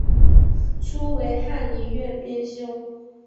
初为翰林院编修。